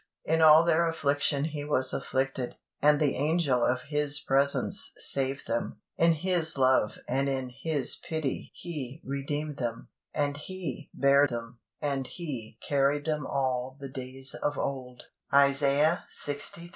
"In all their affliction He was afflicted, and the angel of His presence saved them: in His love and in His pity He redeemed them; and He bare them, and He carried them all the days of old" (Isaiah lxiii.